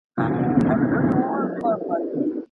د سیاسي ډیپلوماسۍ په برخه کي د خلګو په حقونو کي پرمختګ نه کیږي.